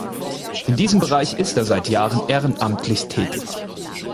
In diesem Bereich ist er seit Jahren ehrenamtlich tätig.